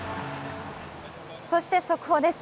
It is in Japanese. そして速報です。